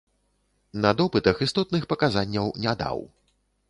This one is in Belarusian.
На допытах істотных паказанняў не даў.